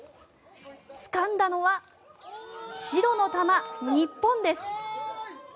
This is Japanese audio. つかんだのは白の球、日本です。